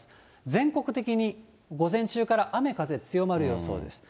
全国的に午前中から雨風強まる予想です。